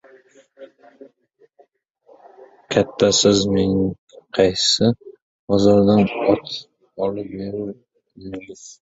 — Ot? Katta, siz menga qaysi bozordan ot olib berib edingiz?